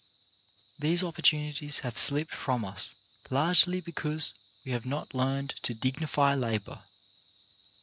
These op portunities have slipped from us largely because we have not learned to dignify labour.